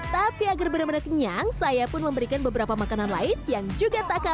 tapi agar benar benar kenyang saya pun memberikan beberapa makanan lain yang juga tak kalah